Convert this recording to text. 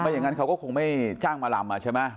อย่างนั้นเขาก็คงไม่จ้างมาลำใช่ไหม